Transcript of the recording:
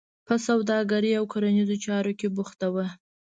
په سوداګرۍ او کرنیزو چارو کې بوخته وه.